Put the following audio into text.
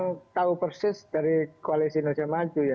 saya tahu persis dari koalisi indonesia maju ya